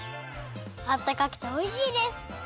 あったかくておいしいです！